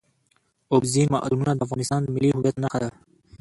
اوبزین معدنونه د افغانستان د ملي هویت نښه ده.